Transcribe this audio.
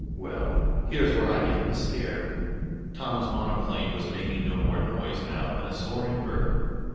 Well, here's where I give him a scare." Tom's monoplane was making no more noise, now, than a soaring bird.